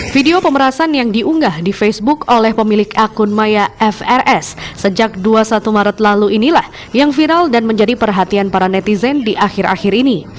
video pemerasan yang diunggah di facebook oleh pemilik akun maya frs sejak dua puluh satu maret lalu inilah yang viral dan menjadi perhatian para netizen di akhir akhir ini